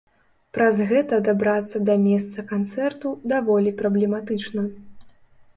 Праз гэта дабрацца да месца канцэрту даволі праблематычна.